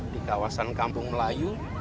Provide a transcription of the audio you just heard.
di kawasan kampung melayu